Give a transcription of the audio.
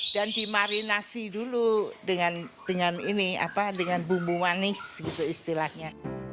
dan dimarinasi dulu dengan bumbu manis istilahnya